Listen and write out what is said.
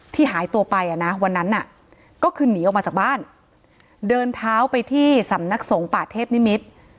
หายตัวไปอ่ะนะวันนั้นน่ะก็คือหนีออกมาจากบ้านเดินเท้าไปที่สำนักสงฆ์ป่าเทพนิมิตร